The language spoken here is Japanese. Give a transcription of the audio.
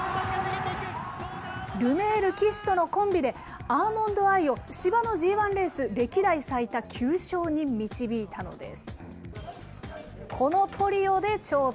ルメール騎手とのコンビで、アーモンドアイを芝のＧ１レース歴代最多９勝に導いたのです。